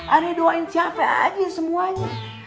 anda doain siapa saja semuanya